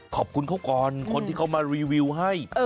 ขอบคุณเขาก่อนคนที่เขามารีวิวให้